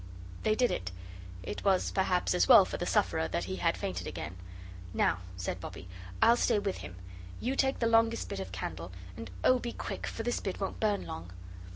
They did it. It was perhaps as well for the sufferer that he had fainted again. "Now," said Bobbie, "I'll stay with him. You take the longest bit of candle, and, oh be quick, for this bit won't burn long."